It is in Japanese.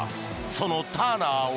そのターナーを。